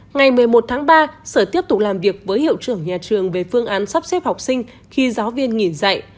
ngày một mươi một tháng ba sở tiếp tục làm việc với hiệu trưởng nhà trường về phương án sắp xếp học sinh khi giáo viên nghỉ dạy